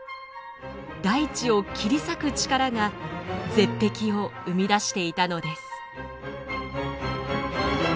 大地を切り裂く力が絶壁を生み出していたのです。